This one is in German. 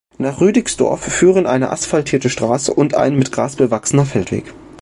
Nach Rüdigsdorf führen eine asphaltierte Straße und ein mit Gras bewachsener Feldweg.